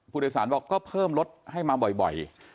บริษัทบอกก็เพิ่มรถให้มาบ่อย